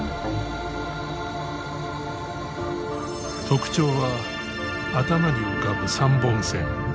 特徴は頭に浮かぶ３本線。